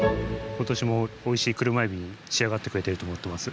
今年もおいしい車エビに仕上がってくれてると思ってます。